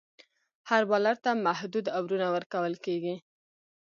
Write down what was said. هر بالر ته محدود اوورونه ورکول کیږي.